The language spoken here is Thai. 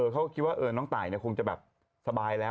เขาคิดว่าน้องตายคงจะแบบสบายแล้ว